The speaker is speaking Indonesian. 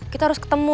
kita harus ketemu